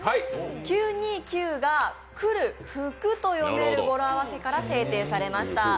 ９２９が「くるふく」と読める語呂合わせから制定されました。